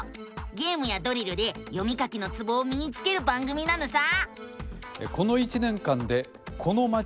ゲームやドリルで読み書きのツボをみにつける番組なのさ！